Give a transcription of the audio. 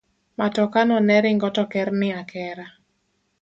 Matokano ne ringo to kerni akera.